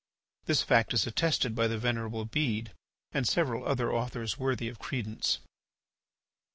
This fact is attested by the Venerable Bede and several other authors worthy of credence.